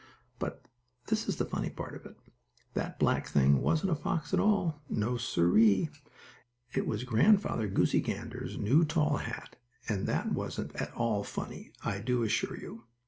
But this is the funny part of it, that black thing wasn't a fox at all. No, siree! It was Grandfather Goosey Gander's new tall hat, and that wasn't at all funny, I do assure you.